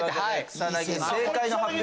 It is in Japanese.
草薙正解の発表